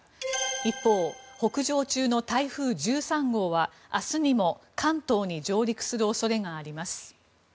一方、北上中の台風１３号は明日にも関東に上陸する恐れがあります。